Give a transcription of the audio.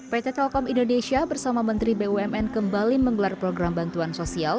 pt telkom indonesia bersama menteri bumn kembali menggelar program bantuan sosial